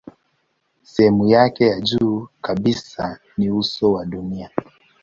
Sehemu yake ya juu kabisa ni uso wa dunia.